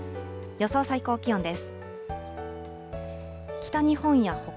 予想最高気温です。